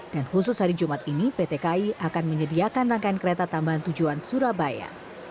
dan khusus hari jumat ini ptki akan menyediakan rangkaian kereta tambahan tujuan surabaya